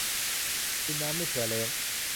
กินน้ำไม่เผื่อแล้ง